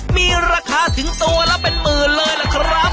มีราคาถึงตัวละเป็นหมื่นเลยล่ะครับ